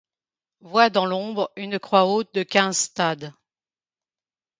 Voit dans l’Ombre une croix haute de quinze stades